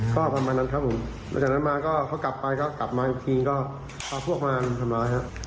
ก็ประมาณนั้นครับผมหลังจากนั้นมาก็เขากลับไปก็กลับมาอีกทีก็พาพวกมารุมทำร้ายครับ